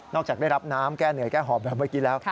จากได้รับน้ำแก้เหนื่อยแก้หอมแบบเมื่อกี้แล้ว